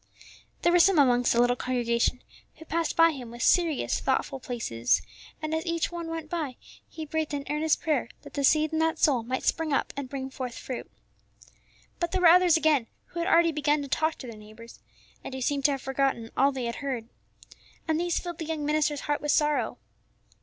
There were some amongst the little congregation who passed by him with serious, thoughtful faces, and as each one went by he breathed an earnest prayer that the seed in that soul might spring up and bring forth fruit. But there were others again who had already begun to talk to their neighbors, and who seemed to have forgotten all they had heard. And these filled the young minister's heart with sorrow.